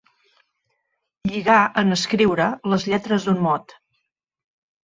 Lligar, en escriure, les lletres d'un mot.